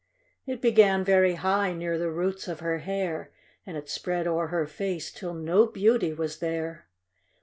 It began very high, near the roots of her hair, And it spread o'er her face till no beauty was there.